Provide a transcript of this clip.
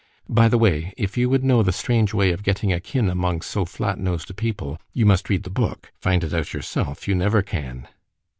——By the way, if you would know the strange way of getting a kin amongst so flat nosed a people——you must read the book;——find it out yourself, you never can.